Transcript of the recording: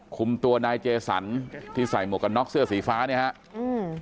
คุมตัวนายเจสันที่ใส่หมวกกันน็อกเสื้อสีฟ้าเนี่ยฮะอืม